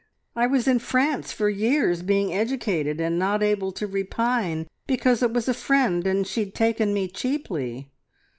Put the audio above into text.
"I was in France for years being educated, and not able to repine because it was a friend and she'd taken me cheaply.